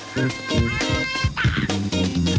สวัสดีครับ